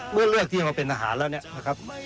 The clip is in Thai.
เมื่อเลือกที่มันเป็นทหารแล้วนะครับ